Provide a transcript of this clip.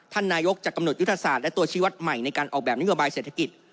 นายกจะกำหนดยุทธศาสตร์และตัวชีวัตรใหม่ในการออกแบบนโยบายเศรษฐกิจ